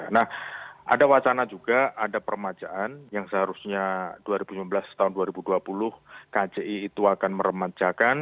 nah ada wacana juga ada permajaan yang seharusnya dua ribu sembilan belas tahun dua ribu dua puluh kci itu akan meremajakan